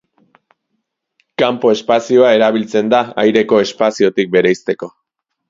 Kanpo espazioa erabiltzen da aireko espaziotik bereizteko.